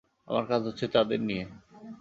আমার কাজ হচ্ছে তাদের নিয়ে।